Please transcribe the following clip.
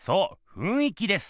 ふんい気です。